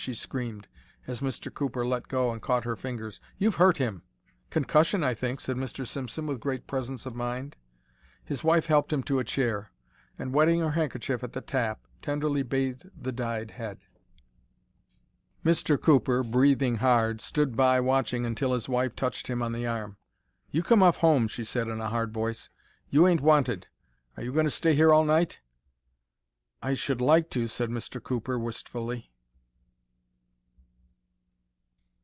she screamed, as Mr. Cooper let go and caught her fingers. "You've hurt him." "Concussion, I think," said Mr. Simpson, with great presence of mind. His wife helped him to a chair and, wetting her handkerchief at the tap, tenderly bathed the dyed head. Mr. Cooper, breathing hard, stood by watching until his wife touched him on the arm. "You come off home," she said, in a hard voice. "You ain't wanted. Are you going to stay here all night?" "I should like to," said Mr. Cooper, wistfully.